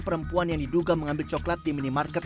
perempuan yang diduga mengambil coklat di minimarket